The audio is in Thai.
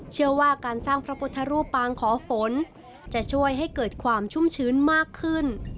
เชื่อว่าการสร้างพระพุทธรูปปางขอฝนจะช่วยให้เกิดความชุ่มชื้นมากขึ้น